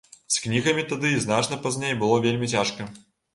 З кнігамі тады і значна пазней было вельмі цяжка.